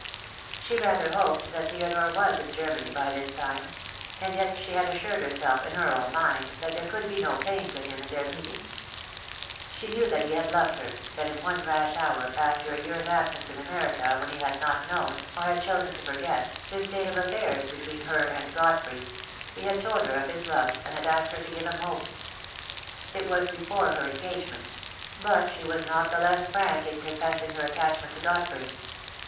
She rather hoped that Theodore was in Germany by this time; and yet she had assured herself in her own mind that there could be no pain to him in their meet 60 THE DAY WILL COME! ing. She knew that he had loved her — that in one rash hour, after a year's absence in America, when he had not known, or had chosen to forget, the state of affairs between her and Godfrey, he had told her of his love, and had asked her to give him hope. It was before her engagement; but she was not the less frank in confessing her attachment to Godfrey.